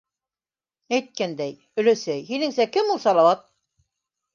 Әйткәндәй, өләсәй, һинеңсә, кем ул Салауат?